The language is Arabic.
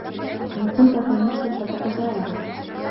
إن كنت في مشكل، فسأساعدك.